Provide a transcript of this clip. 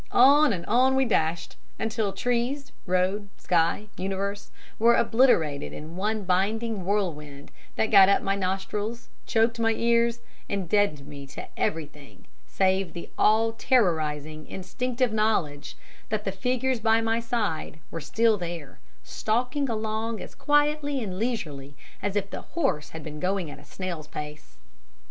On and on we dashed, until trees, road, sky, universe were obliterated in one blinding whirlwind that got up my nostrils, choked my ears, and deadened me to everything, save the all terrorizing, instinctive knowledge, that the figures by my side, were still there, stalking along as quietly and leisurely as if the horse had been going at a snail's pace.